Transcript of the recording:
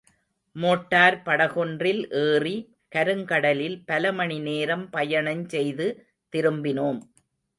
Motor படகொன்றில் ஏறி, கருங்கடலில் பல மணிநேரம் பயணஞ் செய்து திரும்பினோம்.